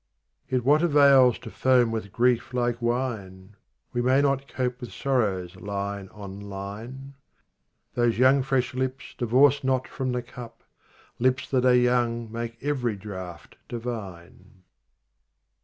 39 Yet what avails to foam with grief like wine ? We may not cope with sorrows line on line. Those young fresh lips divorce not from the cup : Lips that are young make every draught divine.